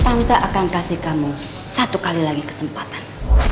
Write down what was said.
tante akan kasih kamu satu kali lagi kesempatan